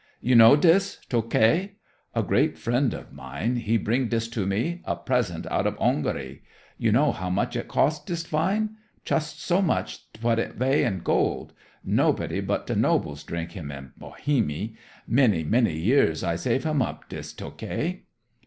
"You know dis, Tokai? A great friend of mine, he bring dis to me, a present out of Hongarie. You know how much it cost, dis wine? Chust so much what it weigh in gold. Nobody but de nobles drink him in Bohemie. Many, many years I save him up, dis Tokai."